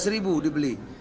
sebelas ribu dibeli